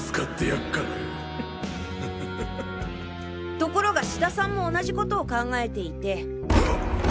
ところが志田さんも同じ事を考えていて。